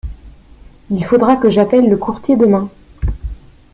Il faudra que j’appelle le courtier demain.